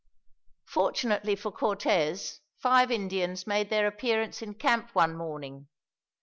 Fortunately for Cortez, five Indians made their appearance in camp one morning.